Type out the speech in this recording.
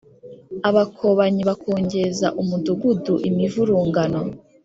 abakobanyi bakongeza umudugudu imivurungano,